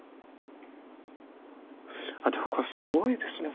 これすごいですね。